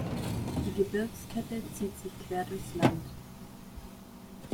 Die Gebirgskette zieht sich quer durchs Land.